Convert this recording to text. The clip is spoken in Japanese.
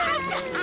あ。